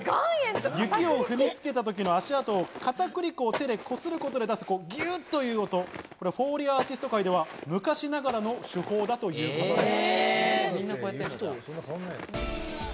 雪を踏みつけたときの足音を片栗粉を手で擦ることで出すギュっという音、フォーリーアーティスト界では昔ながらの手法だということです。